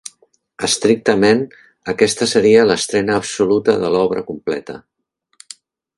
Estrictament, aquesta seria l'estrena absoluta de l'obra completa.